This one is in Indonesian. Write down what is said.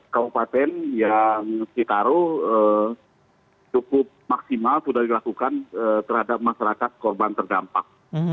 kabupaten yang citaru cukup maksimal sudah dilakukan terhadap masyarakat korban terdampak